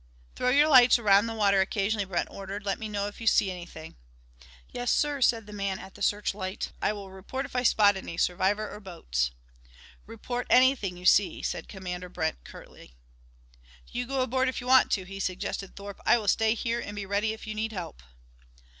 "Throw your lights around the water occasionally," Brent ordered. "Let me know if you see anything." "Yes sir," said the man at the search light. "I will report if I spot any survivors or boats." "Report anything you see," said Commander Brent curtly. "You go aboard if you want to," he suggested to Thorpe. "I will stay here and be ready if you need help."